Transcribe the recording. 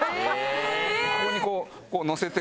ここにこうのせて。